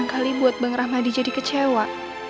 ya ampun ini mau pada kemana